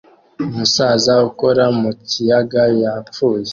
Umusaza ukora mu kiyaga yapfuye